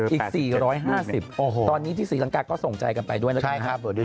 อีก๔๕๐ตอนนี้ที่ศรีรังกาก็ส่งใจกันไปด้วยแล้วกันนะครับนะครับโอเค